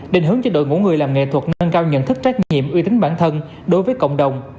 định hướng cho đội ngũ người làm nghệ thuật nâng cao nhận thức trách nhiệm uy tín bản thân đối với cộng đồng